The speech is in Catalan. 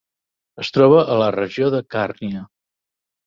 Es troba a la regió de Càrnia.